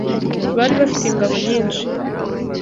Bari bafite ingabo nyinshi